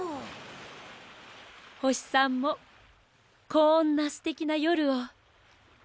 ほしさんもこんなすてきなよるをありがとう。